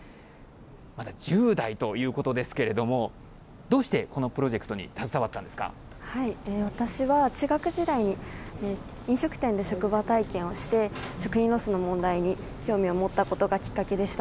まだ１０代ということですけれども、どうしてこのプロジェクトに私は、中学時代に飲食店で職場体験をして、食品ロスの問題に興味を持ったことがきっかけでした。